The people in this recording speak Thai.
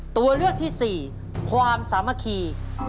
ตัวเลือกที่สี่ความสามคี